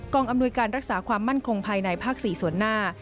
อำนวยการรักษาความมั่นคงภายในภาค๔ส่วนหน้า